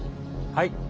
はい。